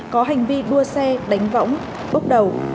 có hành vi đua xe đánh võng bốc đầu